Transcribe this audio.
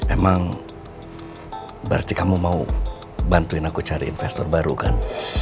emang berarti kamu mau bantuin aku cari investor baru kan